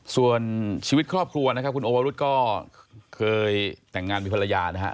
ส่วนชีวิตครอบครัวนะครับคุณโอวรุธก็เคยแต่งงานมีภรรยานะฮะ